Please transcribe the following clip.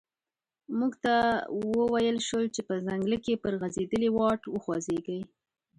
موږ ته و ویل شول چې په ځنګله کې پر غزیدلي واټ وخوځیږئ.